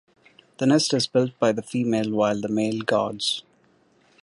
The nest is built by the female while the male guards.